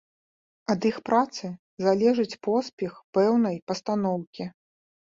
Ад іх працы залежыць поспех пэўнай пастаноўкі.